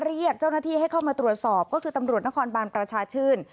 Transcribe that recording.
เรียกเจ้าหน้าที่ให้เข้ามาตรวจสอบก็คือตำรวจนครบานประชาชื่น